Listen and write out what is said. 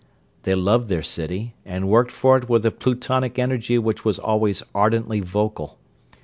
They loved their city and worked for it with a plutonic energy which was always ardently vocal.